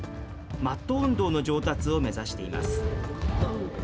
マット運動の上達を目指しています。